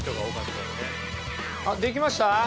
あっできました？